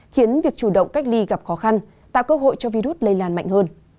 khiến việc chủ động cách ly gặp khó khăn tạo cơ hội cho virus lây lan mạnh hơn